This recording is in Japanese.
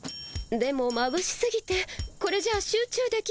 でもまぶしすぎてこれじゃあ集中できませんわ。